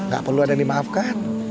gak perlu ada yang dimaafkan